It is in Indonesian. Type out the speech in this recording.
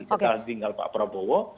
setelah meninggal pak prabowo